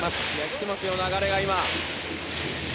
来ていますよ、流れが。